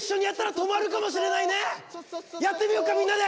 やってみよっかみんなで！